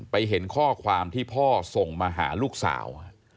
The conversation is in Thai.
เห็นข้อความที่พ่อส่งมาหาลูกสาว